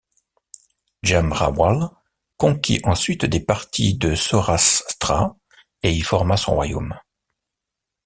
Jam Rawal conquit ensuite des parties de Saurashtra et y forma son royaume.